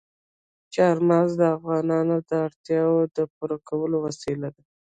چار مغز د افغانانو د اړتیاوو د پوره کولو وسیله ده.